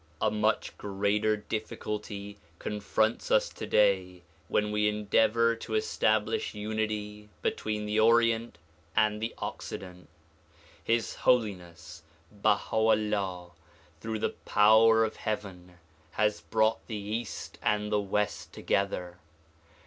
A much greater difficulty confronts us today when we endeavor to establish unity between the Orient and the Occident. His Holiness Baiia 'Ullah through the power of heaven has brought the east and the west together.